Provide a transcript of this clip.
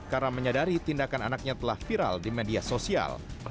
karena menyadari tindakan anaknya telah viral di media sosial